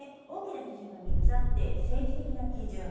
大きな基準が３つあって政治的な基準。